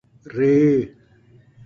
ر